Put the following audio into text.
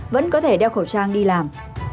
vẫn có thể đeo khẩu trang đi làm